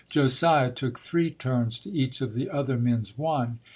Josiah took three turns to each of the other men's one.